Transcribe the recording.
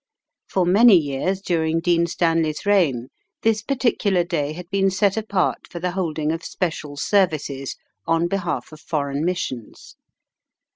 For many years during Dean Stanley's reign this particular day had been set apart for the holding of special services on behalf of foreign missions.